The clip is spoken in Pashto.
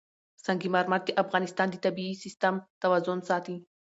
سنگ مرمر د افغانستان د طبعي سیسټم توازن ساتي.